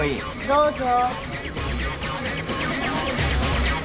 どうぞ。